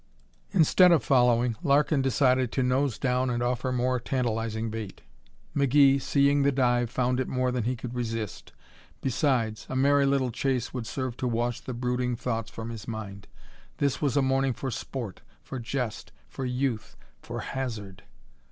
Instead of following, Larkin decided to nose down and offer more tantalizing bait. McGee, seeing the dive, found it more than he could resist. Besides, a merry little chase would serve to wash the brooding thoughts from his mind. This was a morning for sport, for jest, for youth for hazard!